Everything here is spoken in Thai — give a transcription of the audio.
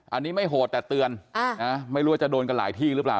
อันนี้ไม่โหดแต่เตือนไม่รู้ว่าจะโดนกันหลายที่หรือเปล่า